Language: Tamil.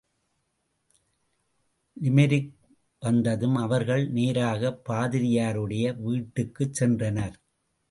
லிமெரிக் வந்ததும் அவர்கள் நேராகப் பாதிரியாருடைய வீட்டுக்குச் சென்றனர்.